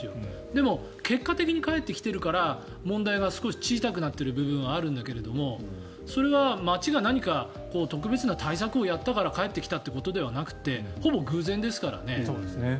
でも、結果的に返ってきてるから問題が少し小さくなっている部分があるんだけどそれは町が何か特別な対策をやったから返ってきたということではなくてほぼ偶然ですからね。